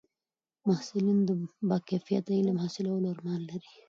محصلین د با کیفیته علم حاصلولو ارمان لري.